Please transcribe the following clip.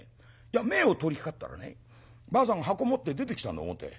前を通りかかったらねばあさんが箱持って出てきたんだ表へ。